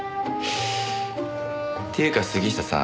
っていうか杉下さん